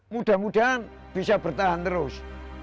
mudah mudahan bisa bertahan terus